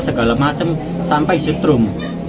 segala macem sampai disetrum